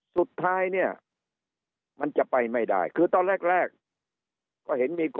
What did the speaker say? สุดท้ายเนี่ยมันจะไปไม่ได้คือตอนแรกแรก